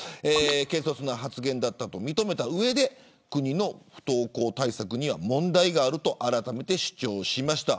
軽率な発言だったと認めた上で国の不登校対策には問題があるとあらためて主張しました。